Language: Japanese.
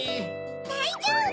だいじょうぶ！